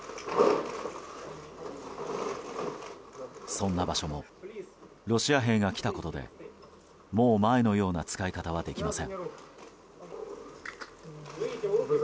そんな場所もロシア兵が来たことでもう前のような使い方はできません。